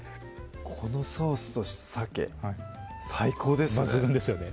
このソースとさけ最高ですね